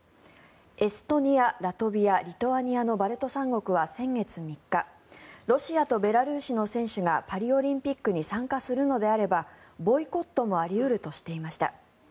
エストニア、ラトビアリトアニアのバルト三国は先月３日ロシアとベラルーシの選手がパリオリンピックに参加するのであればボイコットもあり得るとしていました。